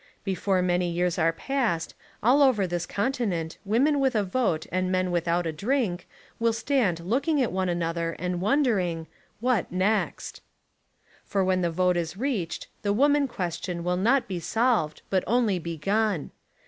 Be fore many years are past, all over this con tinent women with a vote and men without a drink will stand looking at one another and wondering, what next? For when the vote is reached the woman question will not be solved but only begun.